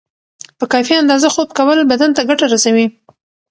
په کافی اندازه خوب کول بدن ته ګټه رسوی